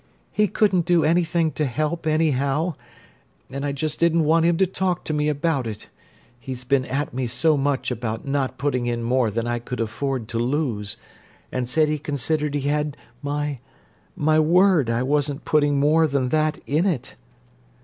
He couldn't do anything to help, anyhow, and I just didn't want him to talk to me about it—he's been at me so much about not putting more in than I could afford to lose, and said he considered he had my—my word I wasn't putting more than that in it.